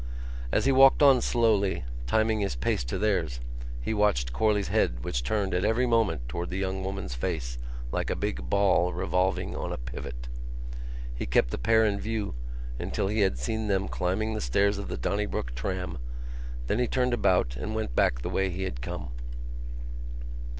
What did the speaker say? As he walked on slowly, timing his pace to theirs, he watched Corley's head which turned at every moment towards the young woman's face like a big ball revolving on a pivot. He kept the pair in view until he had seen them climbing the stairs of the Donnybrook tram; then he turned about and went back the way he had come.